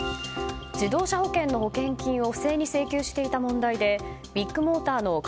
自動車保険の保険金を不正に請求していた問題でビッグモーターの兼